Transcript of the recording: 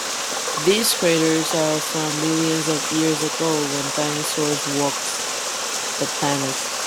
These craters are from millions of years ago when dinosaurs walked the planet.